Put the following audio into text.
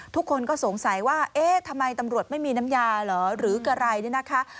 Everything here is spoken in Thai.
ทุกคนก็สงสัยว่าเอ๊ะทำไมตำรวจไม่มีน้ำยาเหรอหรืออะไรเนี่ยนะคะ